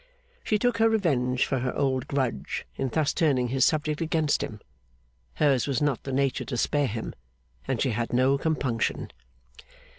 She took her revenge for her old grudge in thus turning his subject against him. Hers was not the nature to spare him, and she had no compunction.